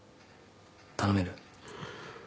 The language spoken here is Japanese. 頼める？